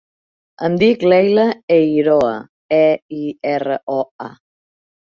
Em dic Leila Eiroa: e, i, erra, o, a.